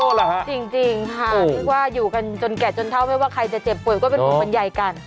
จริงค่ะว่าอยู่กันจนแก่จนเท่าไม่ว่าใครจะเจ็บต่างก็เป็นคน์หมไยกัน